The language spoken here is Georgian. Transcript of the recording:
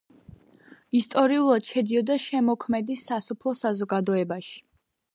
ისტორიულად შედიოდა შემოქმედის სასოფლო საზოგადოებაში.